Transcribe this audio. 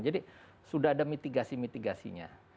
jadi sudah ada mitigasi mitigasinya